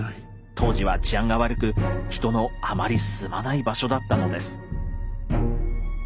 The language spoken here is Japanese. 当時は治安が悪く人のあまり住まない場所だったのです。